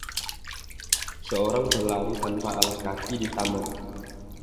Seorang pelari tanpa alas kaki di taman.